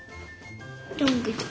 どんぐり。